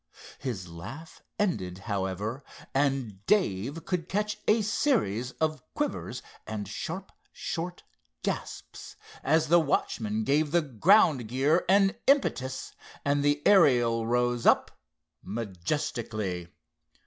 His laugh ended, however, and Dave could catch a series of quivers and sharp short gasps as the watchman gave the ground gear an impetus and the Ariel rose up majestically.